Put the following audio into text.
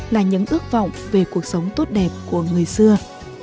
là những ước vọng về cuộc sống tốt đẹp của người xưa